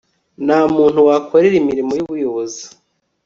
nta muntu wakorera imirimo y ubuyobozi